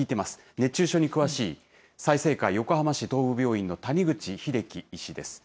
熱中症に詳しい、済生会横浜市東部病院の谷口英喜医師です。